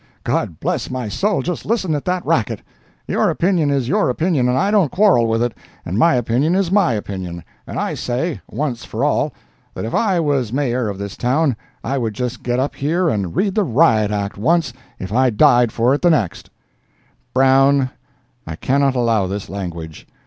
"God bless my soul, just listen at that racket! Your opinion is your opinion, and I don't quarrel with it; and my opinion is my opinion; and I say, once for all, that if I was Mayor of this town I would just get up here and read the Riot Act once, if I died for it the next—" "Brown, I cannot allow this language.